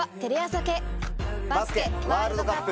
バスケワールドカップ。